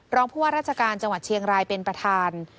ผู้ว่าราชการจังหวัดเชียงรายเป็นประธาน